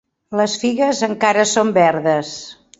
Les figues encara són verdes.